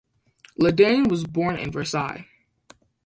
Le Dain was born in Versailles.